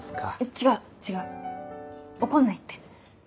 違う違う怒んないって。